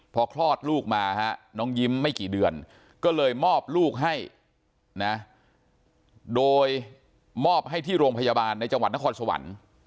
พอคลอดลูกมาน้องยิ้มไม่กี่เดือนก็เลยมอบลูกให้นะโดยมอบให้ที่โรงพยาบาลในจังหวัดนครสวรรค์